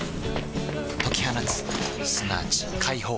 解き放つすなわち解放